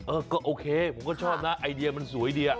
ก็โอเคผมก็ชอบนะไอเดียมันสวยดี